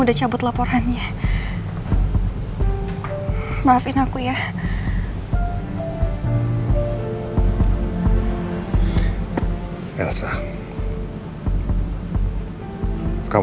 aku janji aku akan jadi istri yang lebih baik lagi buat kamu